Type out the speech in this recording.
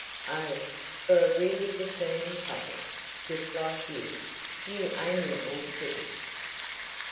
Oh! for a really discerning public, just like you–you amiable critics!